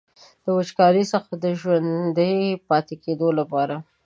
د وچکالۍ څخه د ژوندي پاتې کیدو لپاره.